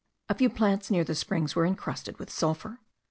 A few plants near the springs were encrusted with sulphur.